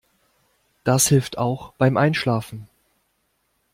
Das hilft auch beim Einschlafen.